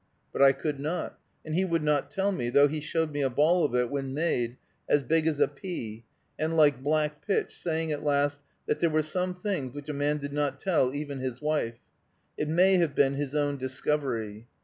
But I could not, and he would not tell me, though he showed me a ball of it when made, as big as a pea, and like black pitch, saying, at last, that there were some things which a man did not tell even his wife. It may have been his own discovery.